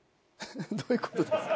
どういうことですか？